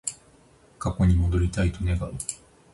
過去に戻りたいと願う